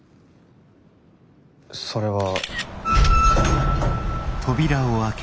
それは。